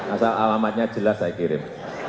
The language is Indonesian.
asal alamatnya jelas saya kirim